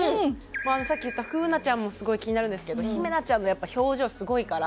さっき言ったフウナちゃんもすごい気になるんですけどヒメナちゃんのやっぱ表情すごいから。